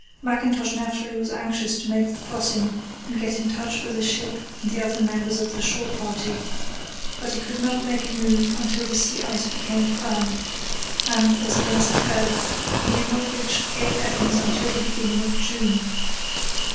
Mackintosh naturally was anxious to make the crossing and get in touch with the ship and the other members of the shore party; but he could not make a move until the sea ice became firm, and, as events occurred, he did not reach Cape Evans until the beginning of June.